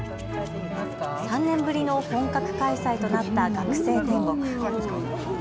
３年ぶりの本格開催となった学生天国。